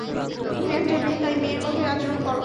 তুমি একটা মেয়ে, তাই মেয়ের মতই আচরণ কর।